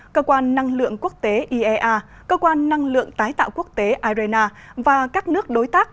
cơ quan năng lượng quốc tế iea cơ quan năng lượng tái tạo quốc tế irena và các nước đối tác